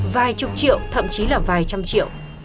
vài chục triệu thậm chí là vài trăm triệu